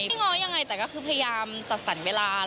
ง้อยังไงแต่ก็คือพยายามจัดสรรเวลา